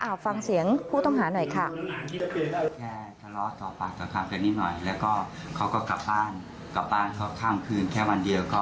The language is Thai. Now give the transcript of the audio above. เอาฟังเสียงผู้ต้องหาหน่อยค่ะ